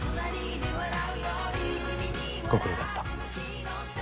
ご苦労だった。